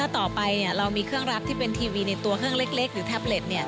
ต่อไปเรามีเครื่องรักที่เป็นทีวีในตัวเครื่องเล็กหรือแท็บเล็ต